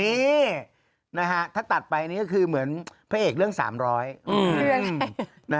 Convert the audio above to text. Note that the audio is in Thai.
นี่นะฮะถ้าตัดไปนี่ก็คือเหมือนพระเอกเรื่อง๓๐๐เรื่อง